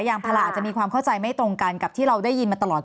ยางพาราอาจจะมีความเข้าใจไม่ตรงกันกับที่เราได้ยินมาตลอด